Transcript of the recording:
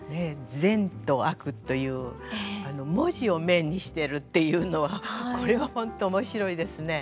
善と悪という文字を面にしてるっていうのはこれは本当面白いですね。